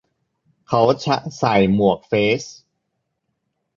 เขาใส่หมวกเฟซ